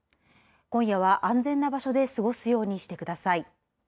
今夜は安全な場所で過ごすようにしてください。